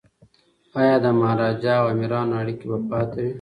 ایا د مهاراجا او امیرانو اړیکي به پاتې وي؟